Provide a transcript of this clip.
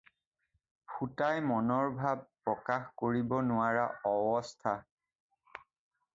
ফুটাই মনৰ ভাব প্ৰকাশ কৰিব নোৱাৰা অৱস্থা